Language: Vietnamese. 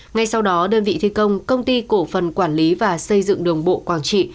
ngay sau đó đơn vị thi công công ty cổ phần quản lý và xây dựng đường bộ quảng trị